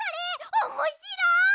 おもしろい！